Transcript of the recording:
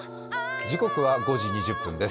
時刻は５時２０分です。